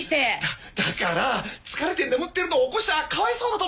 だだから疲れて眠ってるのを起こしちゃかわいそうだと思ったんだよ。